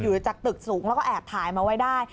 จากตึกสูงแล้วก็แอบถ่ายมาไว้ได้